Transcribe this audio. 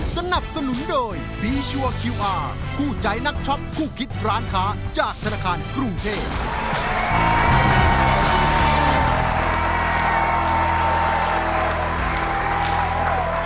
สนับสนุนโดยบีชัวร์คิวอาร์คู่ใจนักช็อปคู่คิดร้านค้าจากธนาคารกรุงเทพ